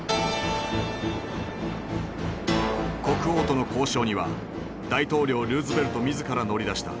国王との交渉には大統領ルーズベルト自ら乗り出した。